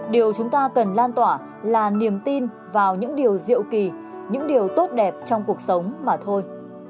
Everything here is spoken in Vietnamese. điều chúng ta cần lan tỏa là niềm tin vào những điều diệu kỳ những điều tốt đẹp trong cuộc sống mà thôi